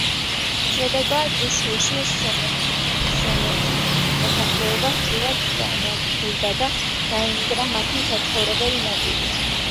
შედეგად შუშის სომეხი მოსახლეობა სრულად განადგურდა და დაინგრა მათი საცხოვრებელი ნაწილი.